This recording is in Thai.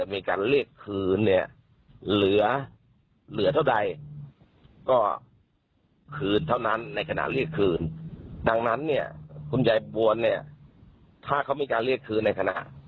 มีเหลืออยู่เท่าไหร่ที่มีกระโพงมา